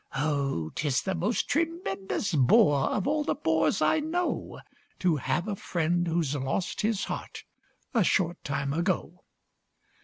Oh, 'tis the most tremendous bore, Of all the bores I know, To have a friend who's lost his heart A short time ago.